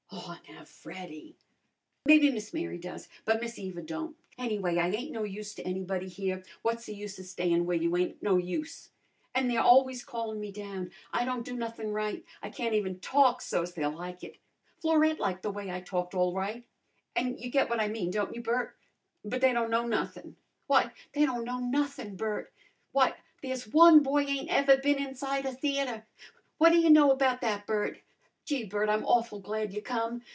"Aw, now, Freddy " "Maybe Miss Mary does. But Miss Eva don't. Anyway, I ain't no use to anybody here. What's the sense of stayin' where you ain't no use? An' they're always callin' me down. I don't do nothin' right. I can't even talk so's they'll like it. Florette liked the way I talked all right. An' you get what I mean, don't you, Bert? But they don't know nothin'. Why, they don't know nothin', Bert! Why, there's one boy ain't ever been inside a theatre! What ta you know about that, Bert? Gee, Bert, I'm awful glad you come!